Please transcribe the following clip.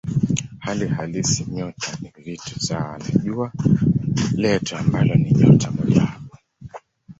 Hali halisi nyota ni vitu sawa na Jua letu ambalo ni nyota mojawapo.